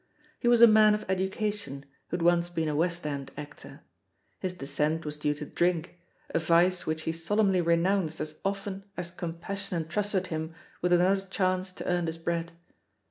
He was a man of education, who had once been a West End actor. BUs descent was due to drink, a vice which he solemnly renounced as often as compassion entrusted him with another chance to earn his bread.